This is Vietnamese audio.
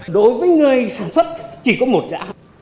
đối với người sản xuất chỉ có một giá